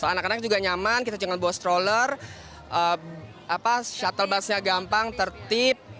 anak anak juga nyaman kita jangan bawa stroller shuttle busnya gampang tertib